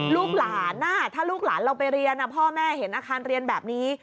ลูกหลานถ้าลูกหลานเราไปเรียนพ่อแม่เห็นอาคารเรียนแบบนี้